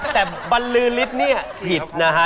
แต่บรรลือลิฟต์นี่ผิดนะฮะ